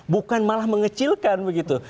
bukan malah mengecilkan begitu